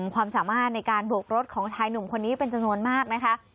ความสามารถในการโบกรถของชายหนุ่มคนนี้เป็นจำนวนมากนะคะ